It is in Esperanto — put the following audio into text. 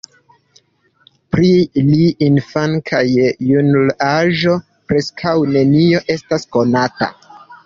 Pri lia infan- kaj junul-aĝo preskaŭ nenio estas konata.